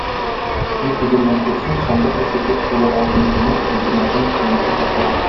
Ни күзе белән күрсен, сандык эче туп-тулы алтын-көмеш, энҗе-мәрҗән, кыйммәтле ташлар.